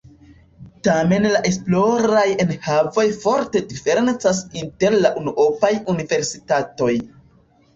Tamen la esploraj enhavoj forte diferencas inter la unuopaj universitatoj.